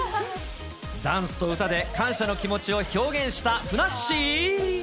ダンスと歌で感謝の気持ちを表現したふなっしー。